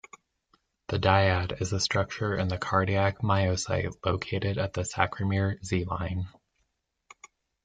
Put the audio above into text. The diad is a structure in the cardiac myocyte located at the sarcomere Z-line.